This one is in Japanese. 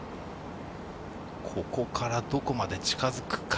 ここからどこまで近づくか。